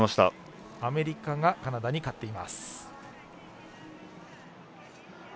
アメリカがカナダに勝っています。